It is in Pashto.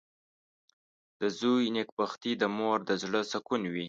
• د زوی نېکبختي د مور د زړۀ سکون وي.